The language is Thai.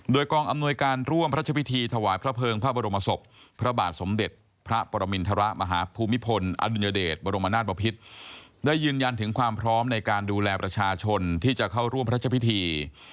โดยกองอำนวยการร่วมพระราชพิธีถวายพระเภิงพระบรมศพพระบาทสมเด็จพระปรมินทรมาฮภูมิพลอดุลยเดชบรมนาศบพิษได้ยืนยันถึงความพร้อมในการดูแลประชาชนที่จะเข้าร่วมพระเจ้าพิธี